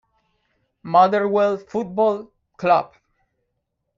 Motherwell Football Club